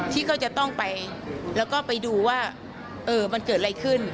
ที่ก็จะต้องไปแล้วก็ไปดูว่ามันเกิดอะไรขึ้น